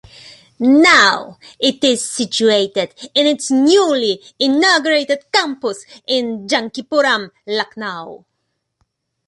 Now it is situated in its newly inaugurated campus in Jankipuram, Lucknow.